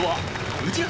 宇治原